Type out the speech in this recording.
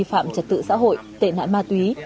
gửi vi phạm trật tự xã hội tệ nạn ma túy